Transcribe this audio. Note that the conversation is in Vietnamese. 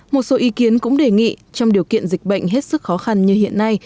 một số ý kiến cũng đề nghị trong điều kiện dịch bệnh hết sức khó khăn như hiện nay